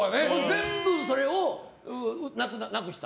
全部それをなくした。